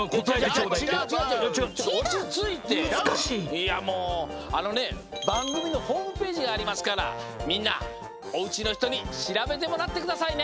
いやもうあのねばんぐみのホームページにありますからみんなおうちのひとにしらべてもらってくださいね！